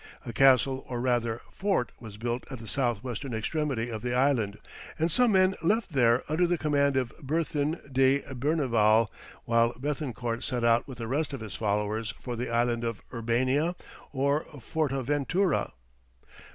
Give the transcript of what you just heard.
A castle or rather fort was built at the south western extremity of the island, and some men left there under the command of Berthin de Berneval, while Béthencourt set out with the rest of his followers for the island of Erbania or Fortaventura.